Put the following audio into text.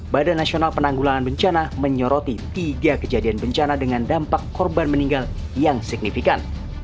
badan nasional penanggulangan bencana menyoroti tiga kejadian bencana dengan dampak korban meninggal yang signifikan